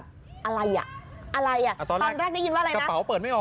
ผู้หญิงที่อยู่ข้างบนนี่